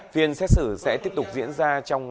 phiên xét xử sẽ tiếp tục diễn ra